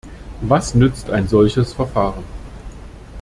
Was nützt ein solches Verfahren?